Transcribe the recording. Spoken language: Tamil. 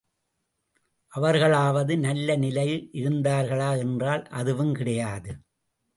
அவர்களாவது, நல்ல நிலையில் இருந்தார்களா என்றால் அதுவும் கிடையாது.